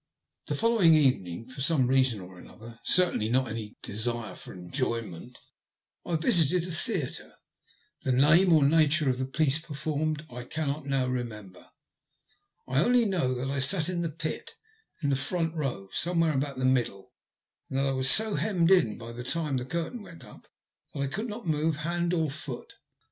The following evening, for some reason or another, certainly not any desire for enjoyment, I visited a theatre. The name or nature of the piece performed I cannot now remember. I only know that I sat in the pit, in the front row, somewhere about the middle, and that I was so hemmed in by the time the curtain went up, that I could not move hand or foot.